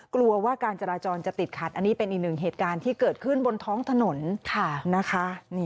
กลัวว่าการจราจรจะติดขัดอันนี้เป็นอีกหนึ่งเหตุการณ์ที่เกิดขึ้นบนท้องถนนนะคะ